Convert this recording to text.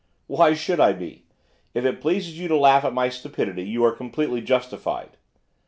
'Why should I be? If it pleases you to laugh at my stupidity you are completely justified.